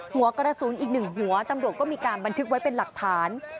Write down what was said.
หัวกระสุนอีกหนึ่งหัวตำรวจก็มีการบันทึกไว้เป็นหลักฐาน